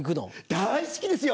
大好きですよ！